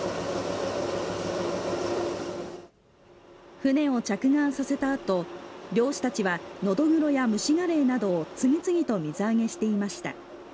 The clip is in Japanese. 船を着岸させたあと漁師たちはノドグロやムシガレイなどを次々と水揚げしていました。